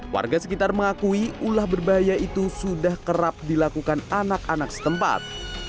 warga sekitar mengakui ulah berbahaya itu sudah kerap dilakukan anak anak setempat